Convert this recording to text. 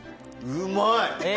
うまい！